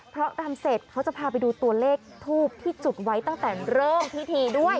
เพราะทำเสร็จเขาจะพาไปดูตัวเลขทูบที่จุดไว้ตั้งแต่เริ่มพิธีด้วย